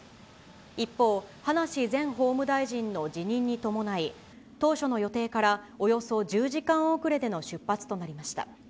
一方、葉梨前法務大臣の辞任に伴い、当初の予定からおよそ１０時間遅れでの出発となりました。